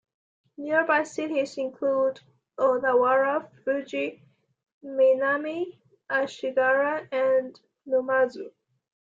Nearby cities include Odawara, Fuji, Minami Ashigara, and Numazu.